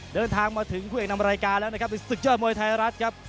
เดินทางมาถึงคู่เอกนำรายการแล้วนะครับในศึกยอดมวยไทยรัฐครับ